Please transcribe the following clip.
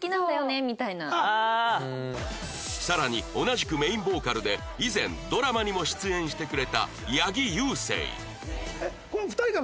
さらに同じくメインボーカルで以前ドラマにも出演してくれた八木勇征